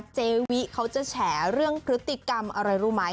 เจวิเขาจะแฉเรื่องพฤติกรรมอะไรรู้ไหม